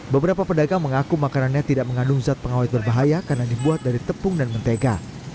beberapa pedagang mengaku makanannya tidak mengandung zat pengawet berbahaya karena dibuat dari tepung dan mentega